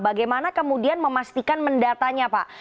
bagaimana kemudian memastikan mendatanya pak